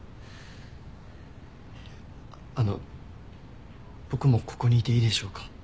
あの僕もここにいていいでしょうか？